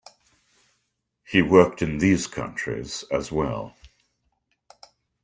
He worked in these countries as well.